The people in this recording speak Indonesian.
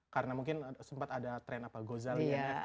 karena mungkin sempat ada trend apa gozali nft gitu ya